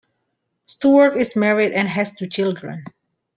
Stewart is married and has two children.